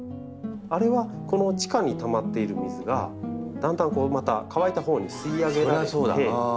あれはこの地下にたまっている水がだんだんまた乾いたほうに吸い上げられてそこに根が伸びていって水を吸うんで。